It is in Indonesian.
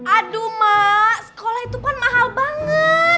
aduh mak sekolah itu kan mahal banget